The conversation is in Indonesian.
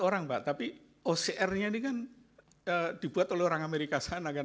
orang pak tapi ocr nya ini kan dibuat oleh orang amerika sana kan